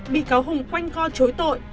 bị cáo hùng quanh co chối tội